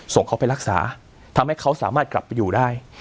ส่งเขาไปรักษาทำให้เขาสามารถกลับไปอยู่ได้